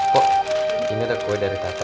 kok ini ada kue dari tata